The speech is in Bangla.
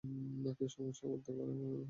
কী কী সমস্যায় পড়তে হতে পারে?